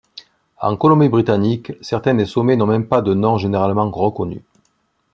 En Colombie-Britannique, certains des sommets n'ont même pas de nom généralement reconnu.